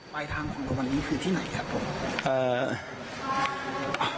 ปลายทางของทุกวันนี้คือที่ไหนครับผม